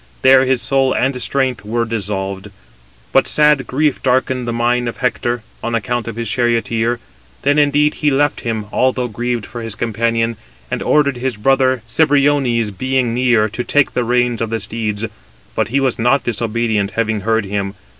There his soul and strength were dissolved. But sad grief darkened the mind of Hector, on account of his charioteer. Then indeed he left him, although grieved for his companion, and ordered his brother Cebriones, being near, to take the reins of the steeds; but he was not disobedient, having heard him.